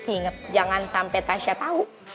ingat jangan sampai tasya tahu